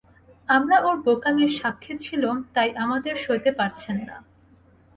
আমরা ওঁর বোকামির সাক্ষী ছিলুম তাই আমাদের সইতে পারছেন না।